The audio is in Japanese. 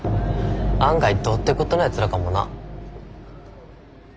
案外どうってことないやつらかもな。